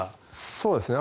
そうですね。